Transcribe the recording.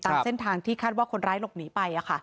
ตามเส้นทางที่คาดว่าคนร้ายหลบหนีไป